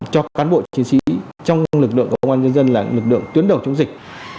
cho cán bộ chiến sĩ trong lực lượng công an nhân dân là lực lượng tuyến đầu chống dịch